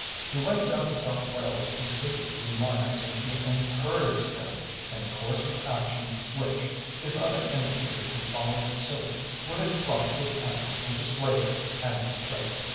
He went down to South Wales to visit these miners and he encouraged them in a course of action which, if other industries had followed suit, would have brought this country into slavery and disgrace.